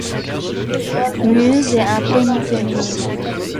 Muse est un prénom féminin.